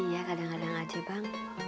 iya kadang kadang aja bang